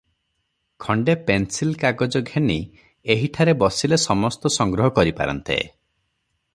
ଖଣ୍ତେ pencil କାଗଜ ଘେନି ଏହିଠାରେ ବସିଲେ ସମସ୍ତ ସଂଗ୍ରହ କରିପାରନ୍ତେ ।